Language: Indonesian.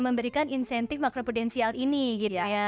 memberikan insentif makroprudensial ini gitu ya